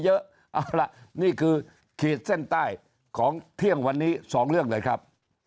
เอาล่ะนี่คือขีดเส้นใต้ของเที่ยงวันนี้๒เรื่องเลยครับ